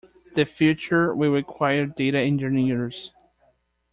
The future will require data engineers.